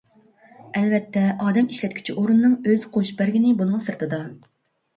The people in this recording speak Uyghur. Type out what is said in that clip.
ئەلۋەتتە، ئادەم ئىشلەتكۈچى ئورۇننىڭ ئۆزى قوشۇپ بەرگىنى بۇنىڭ سىرتىدا.